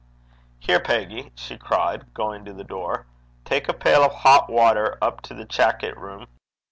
'Here, Peggy!' she cried, going to the door; 'tak a pail o' het watter up to the chackit room.